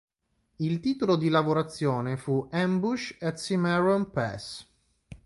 Il titolo di lavorazione fu "Ambush at Cimarron Pass".